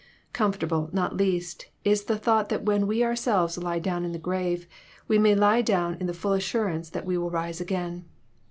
— Comfortable, not least, is the thought that when we ourselves lie down in the grave, we may lie down in the full assurance that we shall rise again.